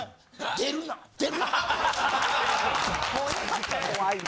出るな！」。